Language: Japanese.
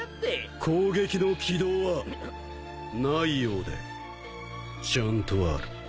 攻撃の軌道はないようでちゃんとある。